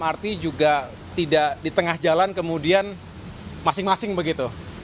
lrt juga tidak di tengah jalan kemudian masing masing begitu